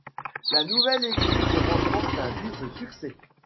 La nouvelle église remporte un vif succès.